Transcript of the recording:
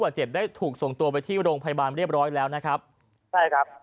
เจ็บได้ถูกส่งตัวไปที่โรงพยาบาลเรียบร้อยแล้วนะครับใช่ครับ